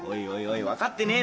分かってねえなぁ。